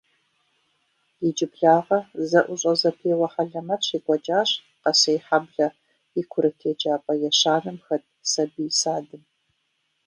Иджыблагъэ зэIущIэ-зэпеуэ хьэлэмэт щекIуэкIащ Къэсейхьэблэ и курыт еджапIэ ещанэм хэт сабий садым.